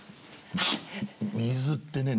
水ってね